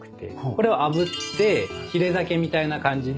これをあぶってひれ酒みたいな感じで。